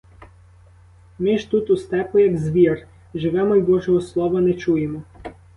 Ми ж тут, у степу, як звір, живемо й божого слова не чуємо.